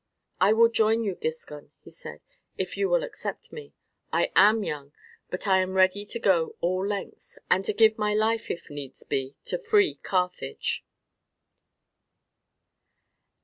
"I will join you, Giscon," he said, "if you will accept me. I am young, but I am ready to go all lengths, and to give my life if needs be to free Carthage."